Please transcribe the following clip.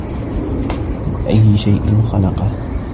مِن أَيِّ شَيءٍ خَلَقَهُ